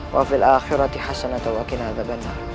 wa fil akhirati hasanatawakin adabanna